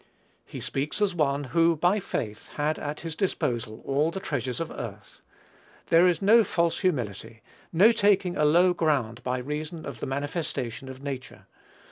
He speaks as one who by faith, had at his disposal all the treasures of earth. There is no false humility, no taking a low ground by reason of the manifestation of nature.